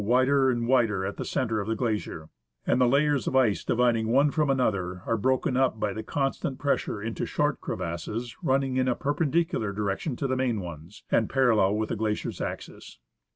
no SEWARD GLACIER, DOME PASS, AND AGASSIZ GLACIER and wider at the centre of the glacier, and the layers of ice dividing one from another are broken up by the constant pressure into short crevasses running in a perpendicular direction to the main ones, and parallel with the glacier's axis.